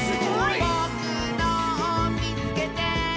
「ぼくのをみつけて！」